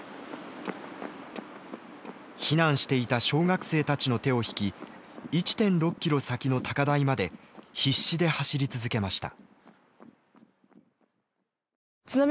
避難していた小学生たちの手を引き１．６ｋｍ先の高台まで必死で走り続けました。